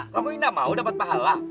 kamu enggak mau dapet pahala